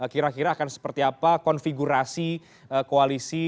kira kira akan seperti apa konfigurasi koalisi